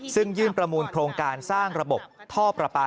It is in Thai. ซึ่งยื่นประมูลโครงการสร้างระบบท่อประปา